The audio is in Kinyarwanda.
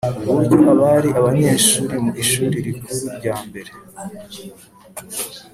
Uburyo abari abanyeshuri mu Ishuri Rikuru ryambere